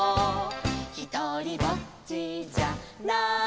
「ひとりぼっちじゃないさ」